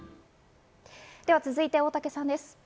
続いて大竹さんです。